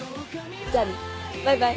じゃあねバイバイ。